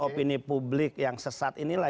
opini publik yang sesat inilah